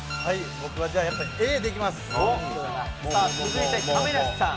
僕はじゃあやっぱりＡでいきさあ、続いて亀梨さん。